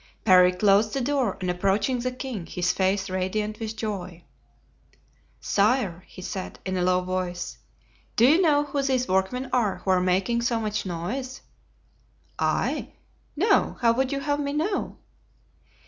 Parry closed the door and approaching the king, his face radiant with joy: "Sire," he said, in a low voice, "do you know who these workmen are who are making so much noise?" "I? No; how would you have me know?"